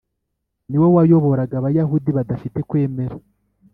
niwo wayoboraga abayahudi badafite kwemera